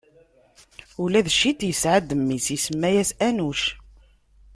Ula d Cit isɛa-d mmi-s, isemma-yas Anuc.